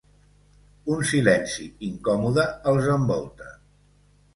Un silenci incòmode els envolta.